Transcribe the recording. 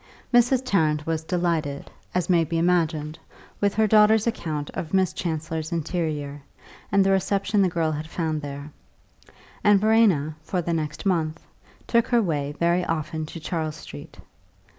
XIII Mrs. Tarrant was delighted, as may be imagined, with her daughter's account of Miss Chancellor's interior, and the reception the girl had found there; and Verena, for the next month, took her way very often to Charles Street.